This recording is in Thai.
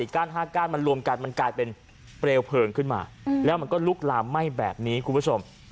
ก้าน๕ก้านมันรวมกันมันกลายเป็นเปลวเพลิงขึ้นมาแล้วมันก็ลุกลามไหม้แบบนี้คุณผู้ชม